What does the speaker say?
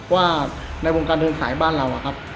ว่าในวงการเดินสายบ้านเราอะครับ